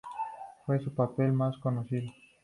Fue su papel mas conocido.